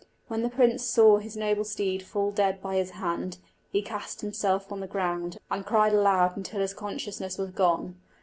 When the prince saw his noble steed fall dead by his hand, he cast himself on the ground, and cried aloud until his consciousness was gone.